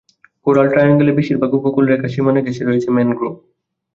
Coral ট্রায়াঙ্গলে, বেশিরভাগ উপকূলরেখার সীমানা ঘেঁষে রয়েছে ম্যানগ্রোভ।